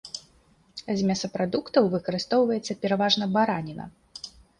З мясапрадуктаў выкарыстоўваецца пераважна бараніна.